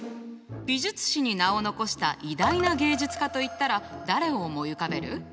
美術史に名を残した偉大な芸術家といったら誰を思い浮かべる？